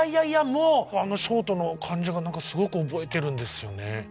もうあのショートの感じがすごく覚えてるんですよね。